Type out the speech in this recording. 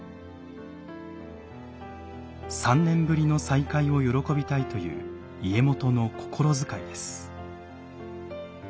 ３年ぶりの再会を喜びたいという家元の心遣いです。